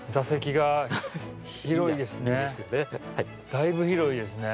だいぶ広いですね。